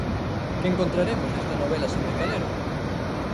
Que encontraremos nesta novela sobre Calero?